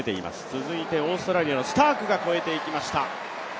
続いてオーストラリアのスタークが越えていきました。